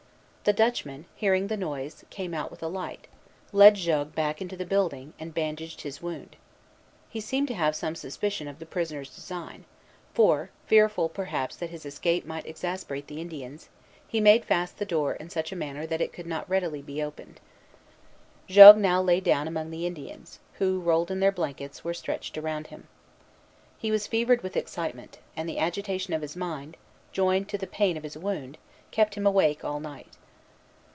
The Dutchman, hearing the noise, came out with a light, led Jogues back into the building, and bandaged his wound. He seemed to have some suspicion of the prisoner's design; for, fearful perhaps that his escape might exasperate the Indians, he made fast the door in such a manner that it could not readily be opened. Jogues now lay down among the Indians, who, rolled in their blankets, were stretched around him. He was fevered with excitement; and the agitation of his mind, joined to the pain of his wound, kept him awake all night.